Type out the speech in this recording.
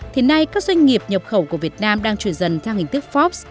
thì nay các doanh nghiệp nhập khẩu của việt nam đang trở dần theo hình tức fox